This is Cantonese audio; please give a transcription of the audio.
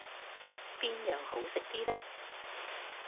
邊樣好食啲呢？